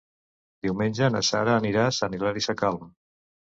Diumenge na Sara anirà a Sant Hilari Sacalm.